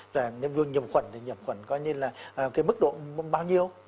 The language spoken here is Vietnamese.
rồi nhiệm khuẩn thì nhiệm khuẩn coi như là cái mức độ bao nhiêu